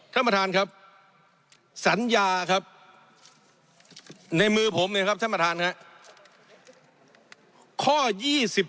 ท่านประธานครับสัญญาในมือผมท่านประธานครับ